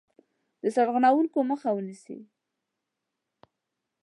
د سرغړونکو مخه ونیسي.